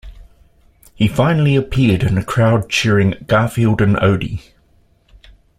He finally appeared in a crowd cheering Garfield and Odie.